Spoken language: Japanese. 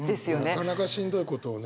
なかなかしんどいことをね。